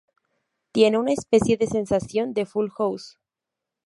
Tiene una especie de sensación de "Full House".